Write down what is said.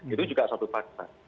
itu juga satu fakta